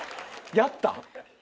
やった？